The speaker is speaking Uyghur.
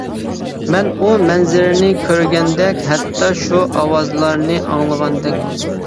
مەن ئۇ مەنزىرىنى كۆرگەندەك، ھەتتا شۇ ئاۋازلارنى ئاڭلىغاندەك بولدۇم.